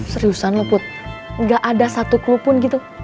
seriusan lo put gak ada satu clue pun gitu